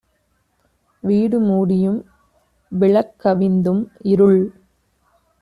வீடு மூடியும் விளக்கவிந் தும்இருள்